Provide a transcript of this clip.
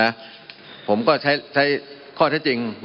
มันมีมาต่อเนื่องมีเหตุการณ์ที่ไม่เคยเกิดขึ้น